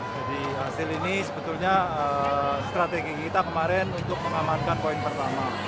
jadi hasil ini sebetulnya strategi kita kemarin untuk mengamankan poin pertama